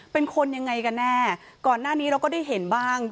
เป็นคนยังไงกันแน่ก่อนหน้านี้เราก็ได้เห็นบ้าง